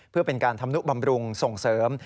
เพื่อเป็นการทำนุบำรุงส่งเสริม